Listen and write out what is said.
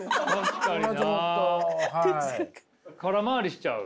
空回りしちゃう？